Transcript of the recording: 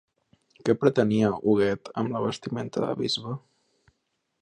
Què pretenia Huguet amb la vestimenta de bisbe?